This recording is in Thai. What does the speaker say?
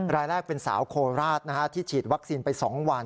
รายแรกเป็นสาวโคราชที่ฉีดวัคซีนไป๒วัน